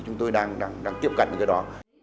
chúng tôi đang tiếp cận cái đó